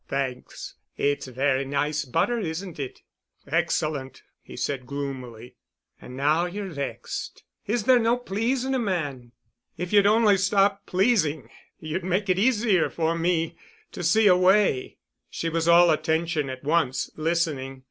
Thanks. It's very nice butter, isn't it?" "Excellent," he said gloomily. "And now you're vexed. Is there no pleasing a man?" "If you'd only stop pleasing—you'd make it easier for me to see a way——" She was all attention at once, listening.